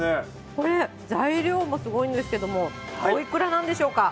これ、材料もすごいんですけども、おいくらなんでしょうか。